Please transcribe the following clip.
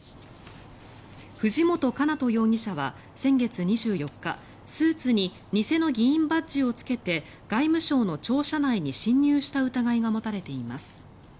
藤本叶人容疑者は先月２４日スーツに偽の議員バッジをつけて外務省の庁舎内に侵入した疑いが持たれています。